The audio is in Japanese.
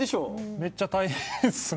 めっちゃ大変ですよね。